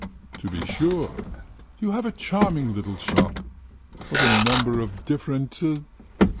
"To be sure. ... You have a charming little shop! What a number of different